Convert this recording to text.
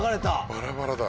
バラバラだ。